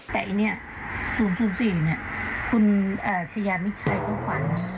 แต่อันนี้๐๐๔คุณเชยามิตรใช้ก็ฝัน